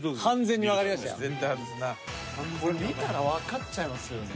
これ見たらわかっちゃいますよね。